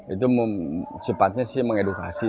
itu sifatnya sih mengedukasi